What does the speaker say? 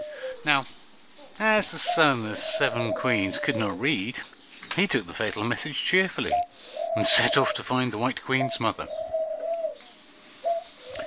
Now, as the son of seven Queens could not read, he took the fatal message cheerfully, and set off to find the white Queen's mother.